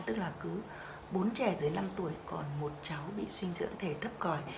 tức là cứ bốn trẻ dưới năm tuổi còn một cháu bị suy dưỡng thể thấp còi